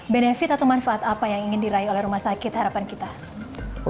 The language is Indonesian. benefit atau manfaat apa yang ingin diraih oleh rumah sakit harapan kita